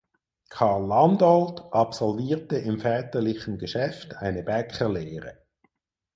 Karl Landolt absolvierte im väterlichen Geschäft eine Bäckerlehre.